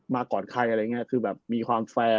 มาก่อนใครคือมีความแฟร์